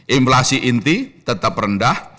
inflasi inti tetap rendah